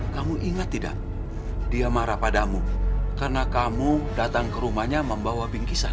kamu ingat tidak dia marah padamu karena kamu datang ke rumahnya membawa bingkisan